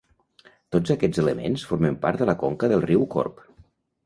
Tots aquests elements formen part de la conca del riu Corb.